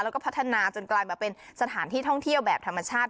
แล้วก็พัฒนาจนกลายมาเป็นสถานที่ท่องเที่ยวแบบธรรมชาติ